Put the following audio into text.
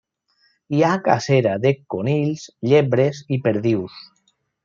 Hi ha cacera, de conills, llebres i perdius.